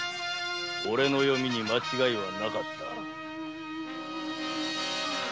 オレの読みに間違いはなかった。